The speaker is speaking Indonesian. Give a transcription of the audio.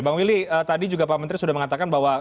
bang willy tadi juga pak menteri sudah mengatakan bahwa